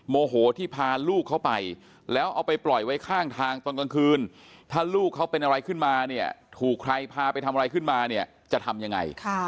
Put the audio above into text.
โมโหที่พาลูกเขาไปแล้วเอาไปปล่อยไว้ข้างทางตอนกลางคืนถ้าลูกเขาเป็นอะไรขึ้นมาเนี่ยถูกใครพาไปทำอะไรขึ้นมาเนี่ยจะทำยังไง